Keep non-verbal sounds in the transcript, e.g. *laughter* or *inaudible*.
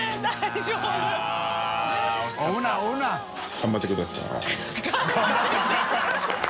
「頑張ってください」 *laughs*